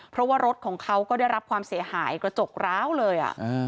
เพราะว่ารถของเขาก็ได้รับความเสียหายกระจกร้าวเลย